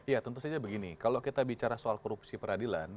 ya tentu saja begini kalau kita bicara soal korupsi peradilan